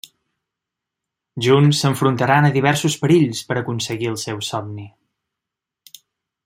Junts s'enfrontaran a diversos perills per a aconseguir el seu somni.